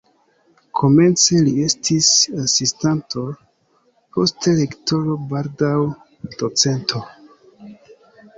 Komence li estis asistanto, poste lektoro, baldaŭ docento.